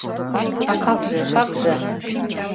А как же, как же...